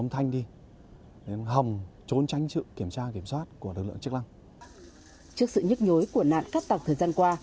trước sự nhức nhối của nạn cát tặc thời gian qua